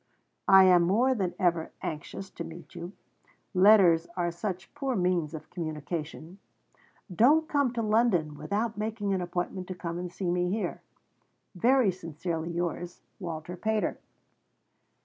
I am more than ever anxious to meet you. Letters are such poor means of communication. Don't come to London without making an appointment to come and see me here. Very sincerely yours, WALTER PATER.